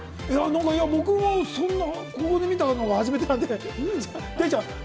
僕もそんな、ここで見たのが初めてなんで、デイちゃん！